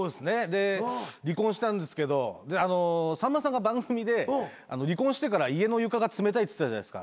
で離婚したんですけどさんまさんが番組で離婚してから家の床が冷たいっつってたじゃないですか。